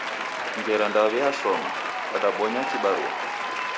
Ngera ndaw'eashoma, w'adabonya kibarua?